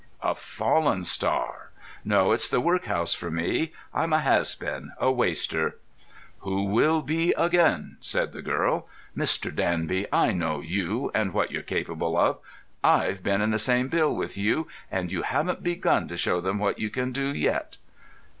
"A fallen star. No; it's the workhouse for me. I'm a 'has been,' a waster." "Who will be again," said the girl. "Mr. Danby, I know you, and what you're capable of. I've been in the same bill with you, and you haven't begun to show 'em what you can do yet."